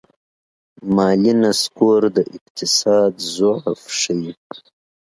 مالي نسکور د اقتصاد ضعف ښيي.